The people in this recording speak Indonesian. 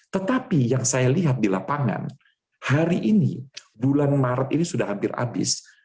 tetapi yang saya lihat di lapangan hari ini bulan maret ini sudah hampir habis